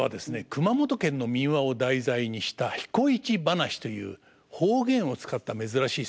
熊本県の民話を題材にした「彦市ばなし」という方言を使った珍しい作品です。